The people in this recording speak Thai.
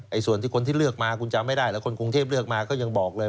ส่วนที่คนที่เลือกมาคุณจำไม่ได้แล้วคนกรุงเทพเลือกมาก็ยังบอกเลย